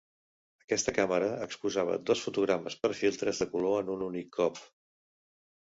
Aquesta càmera exposava dos fotogrames per filtres de color en un únic cop.